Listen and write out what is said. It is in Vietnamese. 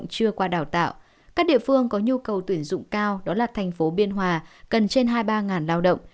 các địa phương có nhu cầu tuyển dụng cao đó là thành phố biên hòa cần trên hai mươi ba lao động